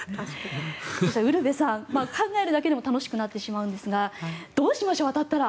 ウルヴェさん考えるだけでも楽しくなってしまうんですがどうしましょう、当たったら。